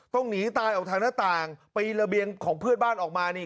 ต้องหนีตายออกทางหน้าต่างปีนระเบียงของเพื่อนบ้านออกมานี่